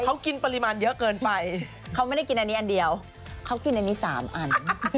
เขากินปริมาณเยอะเกินไปเขาไม่ได้กินอันนี้อันเดียวเขากินอันนี้๓อัน